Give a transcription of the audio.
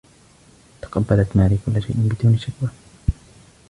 تقبّلت ماري كل شيء بدون شكوى.